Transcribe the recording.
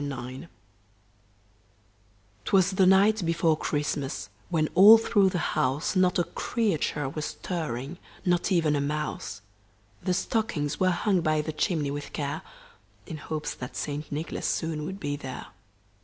NICHOLAS 'Twas the night before Christmas, when all through the house Not a creature was stirring, not even a mouse; The stockings were hung by the chimney with care, In hopes that St. Nicholas soon would be there.